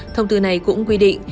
thông tư này cũng quy định